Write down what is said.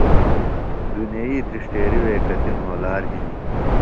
دُنئی تِرݜٹیرِیۡ وے کتیۡ مھولار ہِنیۡ۔